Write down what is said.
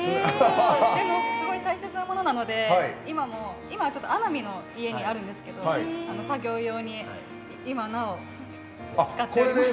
でも、すごい大切なものなので今はちょっと穴見の家にあるんですけど作業用に今も使っております。